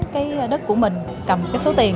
cái đất của mình cầm cái số tiền